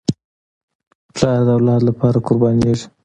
پلار د اولاد لپاره قربانېږي.